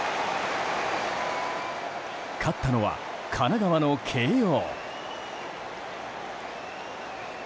勝ったのは神奈川の慶應。